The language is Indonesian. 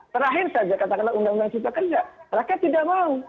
terakhir saja kata kata undang undang simpah kerja rakyat tidak mau